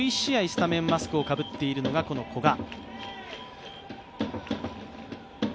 スタメンマスクをかぶっているのが、この古賀。